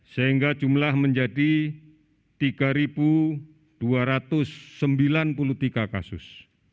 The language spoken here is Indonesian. sehingga jumlah menjadi tiga dua ratus sembilan puluh tiga kasus